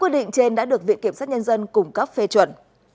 điện kiểm soát nhân dân cung cấp phê chuẩn